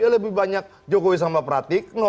lebih banyak jokowi sama pratikno